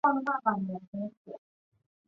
香农县是美国密苏里州东南部的一个县。